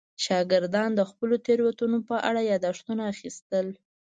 شاګردانو د خپلو تېروتنو په اړه یادښتونه اخیستل.